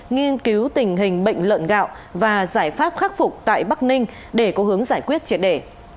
nghiên cứu tình hình bệnh lợn gạo và giải pháp khắc phục tại bắc ninh để có hướng giải quyết triệt đề